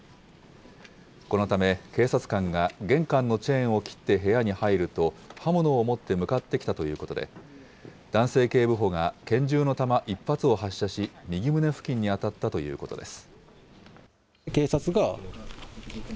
このため、警察官が玄関のチェーンを切って部屋に入ると、刃物を持って向かってきたということで、男性の警部補が拳銃の弾１発を発射し、右胸付近に当たったということです。